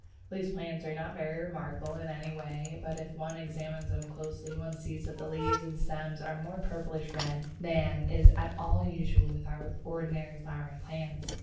These plants are not very remarkable in any way, but if one examines them closely one sees that the leaves and stems are more purplish red than is at all usual with our ordinary flowering plants.